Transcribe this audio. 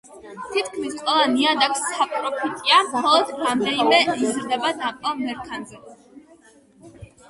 თითქმის ყველა ნიადაგს საპროფიტია, მხოლოდ რამდენიმე იზრდება დამპალ მერქანზე.